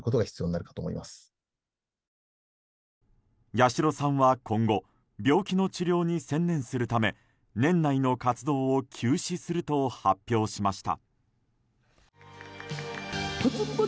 八代さんは今後病気の治療に専念するため年内の活動を休止すると発表しました。